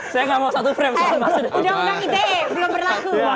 saya gak mau satu frame sama